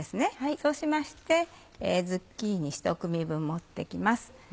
そうしましてズッキーニひと組分持って来ます。